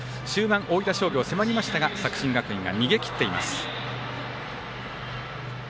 終盤、大分商業が迫りましたが作新学院が逃げきっています。